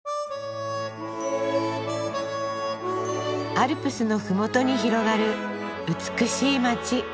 アルプスのふもとに広がる美しい街。